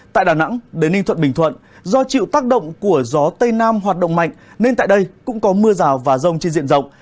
tại đà nẵng đến ninh thuận bình thuận do chịu tác động của gió tây nam hoạt động mạnh nên tại đây cũng có mưa rào và rông trên diện rộng